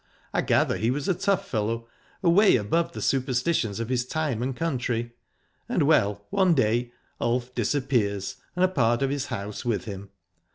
I gather he was a tough fellow, away above the superstitions of his time and country. And well, one day Ulf disappears and a part of his house with him.